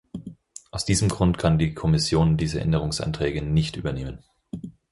Aus diesem Grund kann die Kommission diese Änderungsanträge nicht übernehmen.